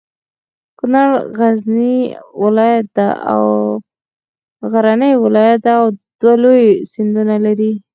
کنړ غرنی ولایت ده او دوه لوی سیندونه لري.